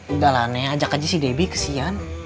udah lah ne ajak aja si debbie kesian